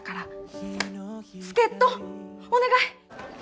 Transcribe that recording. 助っ人お願い！